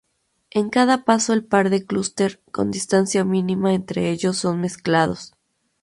En cada paso el par de clúster con distancia mínima entre ellos son mezclados.